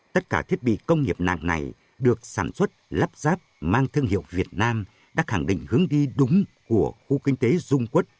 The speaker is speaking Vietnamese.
tất cả thiết bị công nghiệp nặng này được sản xuất lắp ráp mang thương hiệu việt nam đã khẳng định hướng đi đúng của khu kinh tế dung quốc